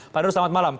pak daru selamat malam